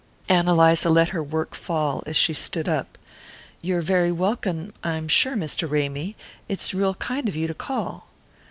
Ann Eliza let her work fall as she stood up. "You're very welcome, I'm sure, Mr. Ramy. It's real kind of you to call."